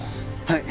はい。